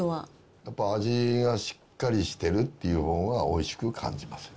やっぱ味がしっかりしてるっていうほうがおいしく感じますね。